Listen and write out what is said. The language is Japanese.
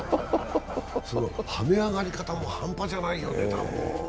はね上がり方も半端じゃないよね、たぶん。